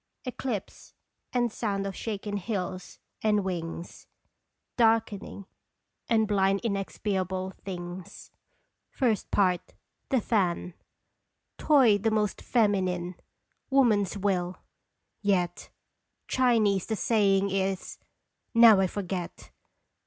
" Eclipse, and sound of shaken hills and wings Darkening, and blind inexpiable things." I. THE FAN. Toy the most feminine ! Woman's will ! Yet Chinese the saying is now I forget!